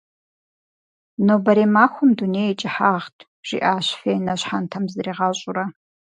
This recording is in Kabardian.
«Нобэрей махуэм дуней и кӏыхьагът», жиӏащ Фенэ щхьэнтэм зригъэщӏурэ.